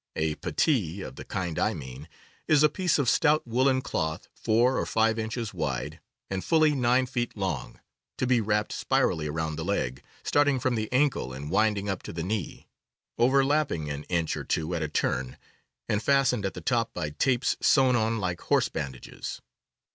A puttee of the kind I mean is a piece of stout woolen cloth four or five inches wide and fully nine feet long, to be wrapped spirally around the leg, starting from the ankle and winding up to the knee, overlapping an inch or two at a turn, and fastened at the top by tapes sewn on like horse bandages.